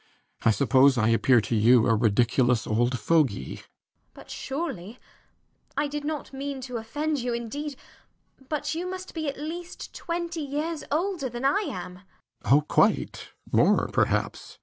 I suppose I appear to you a ridiculous old fogey. JENNIFER. But surely I did not mean to offend you, indeed but you must be at least twenty years older than I am. RIDGEON. Oh, quite. More, perhaps.